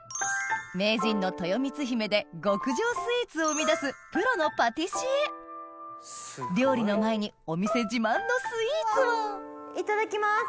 名人のとよみつひめで極上スイーツを生み出すプロのパティシエ料理の前にお店自慢のスイーツをいただきます。